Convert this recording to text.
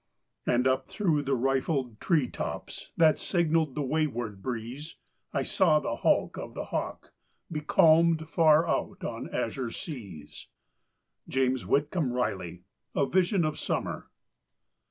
_) And up through the rifled tree tops That signaled the wayward breeze I saw the hulk of the hawk becalmed Far out on the azure seas. —James Whitcomb Riley, "A Vision of Summer."